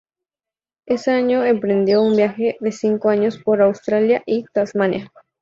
Ese año emprendió un viaje de cinco años por Australia y Tasmania.